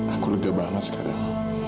aku lega banget sekarang